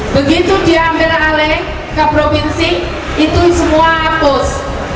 begitu diambil alih ke provinsi itu semua hapus